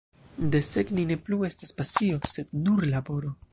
Desegni ne plu estas pasio, sed nur laboro.